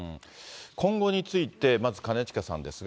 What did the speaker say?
今後について、まず兼近さんですが。